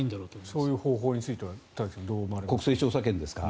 そういう方法については田崎さんどう思われますか。